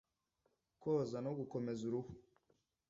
koza no gukomeza uruhu